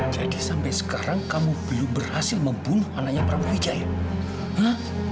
jadi sampai sekarang kamu belum berhasil membunuh anaknya prabu wijaya